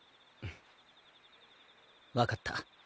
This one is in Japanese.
分かった。